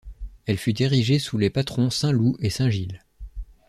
Elle fut érigée sous les patrons saint Loup et saint Gilles.